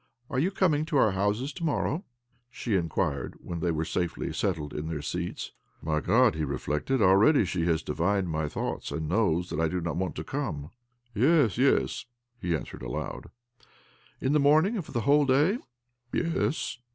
' Are you coming to our house to OBLOMOV 213 morrow?" she inquired when they were safely settled in their seats. " My God !" he reflected. " Already she has divined my thoughts, and knows that I do not want to come 1 " "Yes, yes," he answered aloud. " In the morning, and for the whole day? " "Yes."